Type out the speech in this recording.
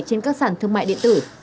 trên các sản thương mại điện tử